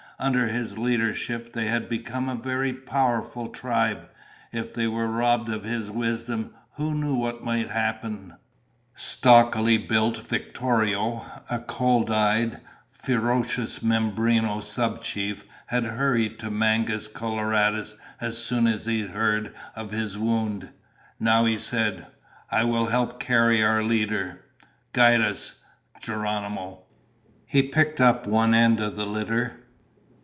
Under his leadership, they had become a very powerful tribe. If they were robbed of his wisdom, who knew what might happen? Stockily built Victorio, a cold eyed, ferocious Mimbreno sub chief, had hurried to Mangus Coloradus as soon as he heard of his wound. Now he said: "I will help carry our leader. Guide us, Geronimo." He picked up one end of the litter.